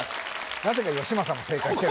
なぜかよしまさも正解してる